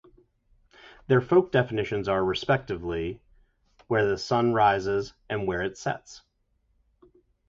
Their folk definitions are, respectively, "where the sun rises" and "where it sets".